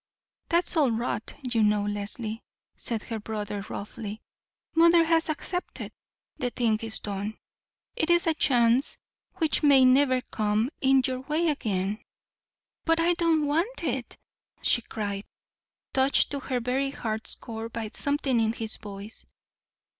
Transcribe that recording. "That's all rot, you know, Leslie," said her brother roughly. "Mother has accepted; the thing is done. It is a chance which may never come in your way again." "But I don't want it," she cried, touched to her very heart's core by something in his voice.